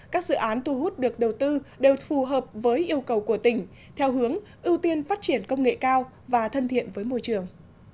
các dự án thu hút được đầu tư đều phù hợp với yêu cầu của tỉnh theo hướng ưu tiên phát triển công nghệ cao và thân thiện với môi trường